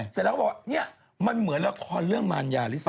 มันนี่เหมือนละครเรื่องมายาริสยา